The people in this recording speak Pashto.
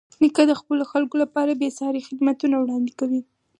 نیکه د خپلو خلکو لپاره بېساري خدمتونه وړاندې کوي.